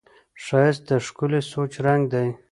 ښایست د ښکلي سوچ رنګ دی